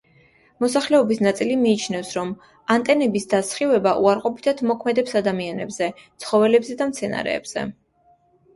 მოსახლეობის ნაწილი მიიჩნევს, რომ ანტენების დასხივება უარყოფითად მოქმედებს ადამიანებზე, ცხოველებზე და მცენარეებზე.